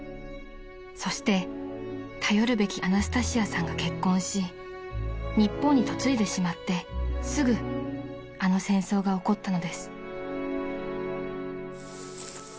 ［そして頼るべきアナスタシアさんが結婚し日本に嫁いでしまってすぐあの戦争が起こったのです］